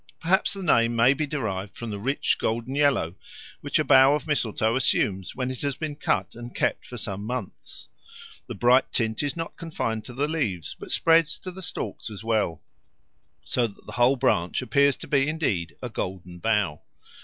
Perhaps the name may be derived from the rich golden yellow which a bough of mistletoe assumes when it has been cut and kept for some months; the bright tint is not confined to the leaves, but spreads to the stalks as well, so that the whole branch appears to be indeed a Golden Bough.